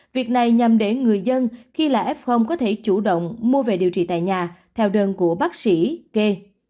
việc này nhằm để người dân khi là f có thể chủ động mua về điều trị tại nhà theo đơn của bác sĩ kê